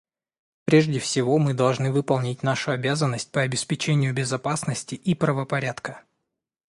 Прежде всего мы должны выполнить нашу обязанность по обеспечению безопасности и правопорядка.